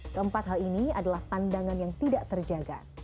keempat hal ini adalah pandangan yang tidak terjaga